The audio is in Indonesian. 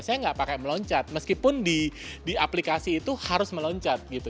saya nggak pakai meloncat meskipun di aplikasi itu harus meloncat gitu